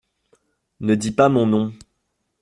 Ne dis pas mon nom.